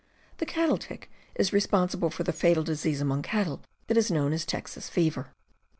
The cattle tick is responsible for the fatal disease among cattle that is known as Texas fever.